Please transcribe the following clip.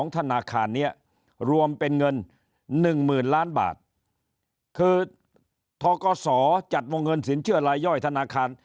ธนาคารนี้รวมเป็นเงิน๑๐๐๐ล้านบาทคือทกศจัดวงเงินสินเชื่อลายย่อยธนาคาร